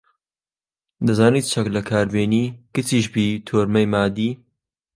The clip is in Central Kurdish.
دەزانی چەک لەکار بێنی، کچیش بی تۆرمەی مادی